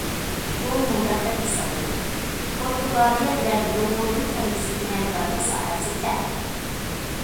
ئۇ مۇنداق دەپ ھېسابلىدى: پورتۇگالىيە بىلەن جۇڭگونىڭ كەلگۈسىدىكى ھەمكارلىق ساھەسى كەڭ.